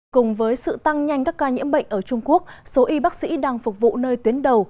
cùng với sự tăng nhanh các ca nhiễm bệnh ở trung quốc số y bác sĩ đang phục vụ nơi tuyến đầu